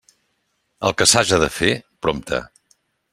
El que s'haja de fer, prompte.